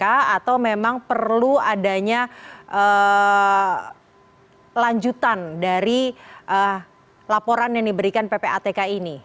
atau memang perlu adanya lanjutan dari laporan yang diberikan ppatk ini